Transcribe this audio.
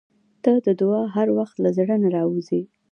• ته د دعا هر وخت له زړه نه راووځې.